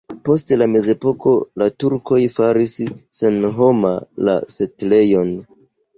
Post la mezepoko la turkoj faris senhoma la setlejon.